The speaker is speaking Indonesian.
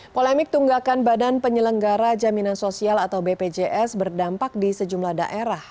polemik tunggakan badan penyelenggara jaminan sosial atau bpjs berdampak di sejumlah daerah